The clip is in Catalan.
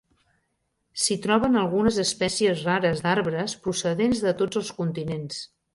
S'hi troben algunes espècies rares d'arbres procedents de tots els continents.